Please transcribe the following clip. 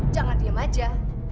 jangan diem aja